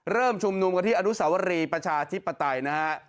เริ่มชุมนุมกันที่อธิบัติประชาศัพท์มหาวศิลปะไตนี่นะฮะ